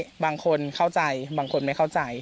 บางคนเข้าใจบางคนไม่เข้าใจ